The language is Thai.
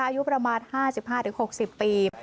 อายุประมาณ๕๕๖๐ปี